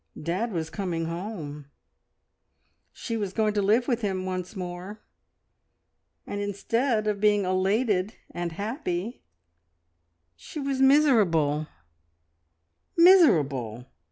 Dad was coming home, she was going to live with him once more, and instead of being happy and elated she was miserable miserable!